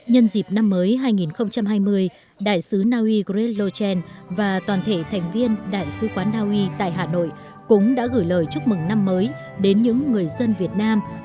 nhân dịp năm mới hai nghìn hai mươi đại sứ naui grelo chen và toàn thể thành viên đại sứ quán naui tại hà nội cũng đã gửi lời chúc mừng năm mới đến những người dân việt nam